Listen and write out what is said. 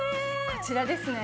こちらですね。